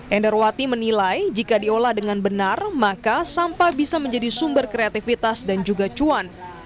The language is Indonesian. endarwati menilai jika diolah dengan benar maka sampah bisa menjadi sumber kreativitas dan juga cuan